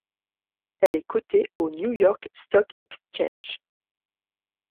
Elle est cotée au New York Stock Exchange.